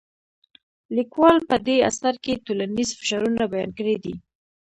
لیکوال په دې اثر کې ټولنیز فشارونه بیان کړي دي.